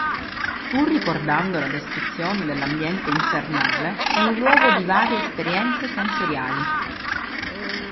Pur ricordando la descrizione dell'ambiente infernale, è un luogo di varie esperienze sensoriali.